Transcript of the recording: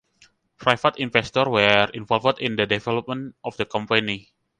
Private investors were involved in the development of the company.